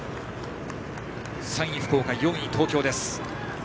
３位、福岡４位、東京です。